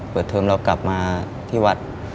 เทิมเรากลับมาที่วัด